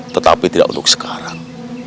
tetapi tidak untuk sekarang